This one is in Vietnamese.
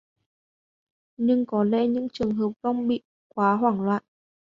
Nhưng có lẽ những trường hợp vong bị quá hoảng loạn